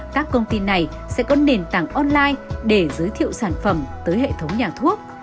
các công ty này sẽ có nền tảng online để giới thiệu sản phẩm tới hệ thống nhà thuốc